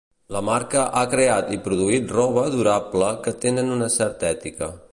La marca ha creat i produït roba durable que tenen una certa ètica.